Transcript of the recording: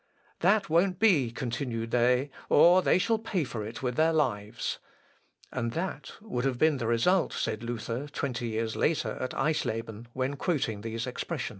" "That won't be," continued they, "or they shall pay for it with their lives." "And that would have been the result," said Luther, twenty years later at Eisleben, when quoting these expressions.